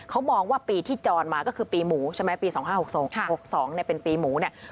เขามองว่าปีที่จรมาก็คือปีหมูใช่ไหมปี๒๕๖๒๖๒เนี่ยเป็นปีหมูเนี่ย